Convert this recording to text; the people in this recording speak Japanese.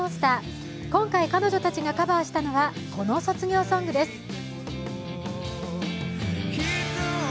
今回、彼女たちがカバーしたのは、この卒業ソングです。